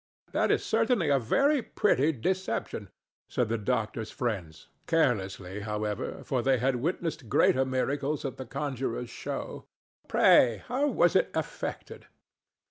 "That is certainly a very pretty deception," said the doctor's friends—carelessly, however, for they had witnessed greater miracles at a conjurer's show. "Pray, how was it effected?"